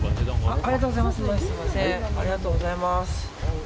ありがとうございます。